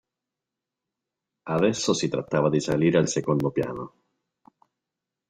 Adesso, si trattava di salire al secondo piano.